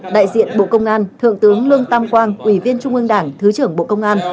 đại diện bộ công an thượng tướng lương tam quang ủy viên trung ương đảng thứ trưởng bộ công an